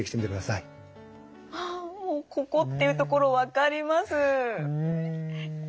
ああもうここっていう所分かります。